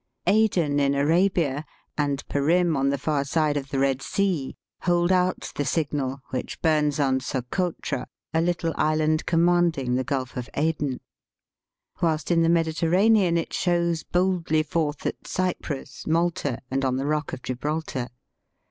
Aden in Arabia, and Perim on the far side of the Eed Sea, hold out the signal, which bums on Sokotra, a Uttle island com manding the Gulf of Aden ; whilst in the Mediterranean it shows boldly forth at Cyprus^ Malta, and on the Bock of Gibraltar.